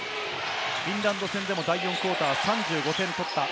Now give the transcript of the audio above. フィンランド戦でも第４クオーターは３５点取った。